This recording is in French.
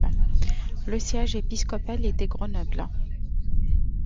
Le siège épiscopal était Grenoble.